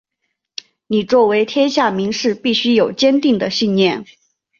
你作为天下名士必须有坚定的信念！